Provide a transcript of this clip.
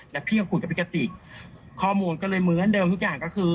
แล้วพี่ก็คุยกับพี่กติกข้อมูลก็เลยเหมือนเดิมทุกอย่างก็คือ